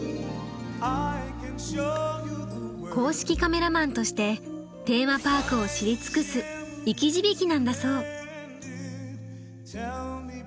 公式カメラマンとしてテーマパークを知り尽くす生き字引なんだそう。